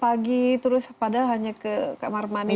pada lagi terus pada hanya ke kamar manis